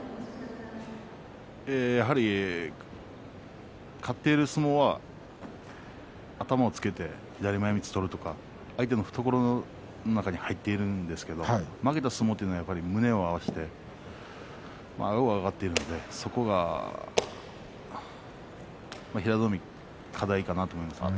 やはり勝っている相撲は頭をつけて左前みつを取るとか相手の懐の中に入っているんですけれど負けた相撲は胸を合わせてあごが上がっているのでそこは平戸海、課題かなと思います。